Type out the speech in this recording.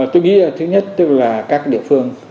tôi nghĩ thứ nhất tức là các địa phương